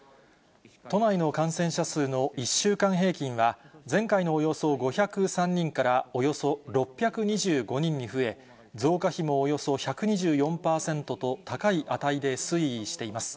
都内の感染者数の１週間平均は、前回のおよそ５０３人からおよそ６２５人に増え、増加比もおよそ１２４％と、高い値で推移しています。